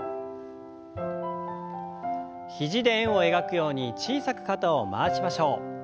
肘で円を描くように小さく肩を回しましょう。